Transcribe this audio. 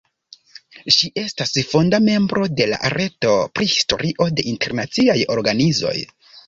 Ŝi estas fonda membro de la "Reto pri Historio de internaciaj organizoj".